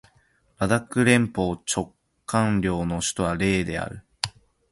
ラダック連邦直轄領の首府はレーである